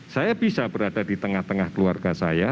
saya bisa berada di tengah tengah keluarga saya